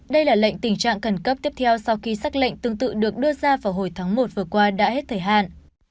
đây là lệnh tình trạng khẩn cấp tiếp theo sau khi xác lệnh tương tự được đưa ra vào hồi tháng một vừa qua đã hết thời hạn